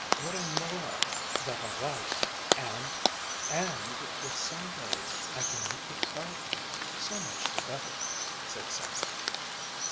"What I know of that I like, and and if some day, I can make you proud of me, so much the better," said Selma.